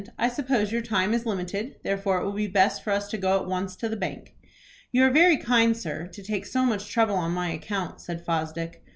"I suppose your time is limited, therefore it will be best for us to go at once to the bank." "You are very kind, sir, to take so much trouble on my account," said Fosdick.